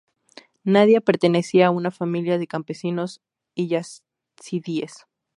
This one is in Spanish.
Nadia pertenecía a una familia de campesinos yazidíes.